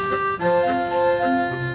assalamualaikum warahmatullahi wabarakatuh